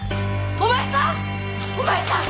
⁉お前さん！